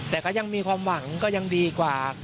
แต่ก็ยังมีความหวังก็ยังดีกว่า